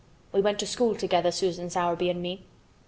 We went to school together, Susan Sowerby and me."